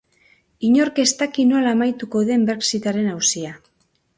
Inork ez daki nola amaituko den brexitaren auzia.